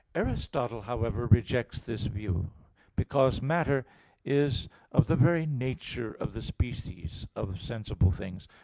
Aristotle, however, rejects this view (Metaph. i, text 31) because matter is of the very nature of the species of sensible things.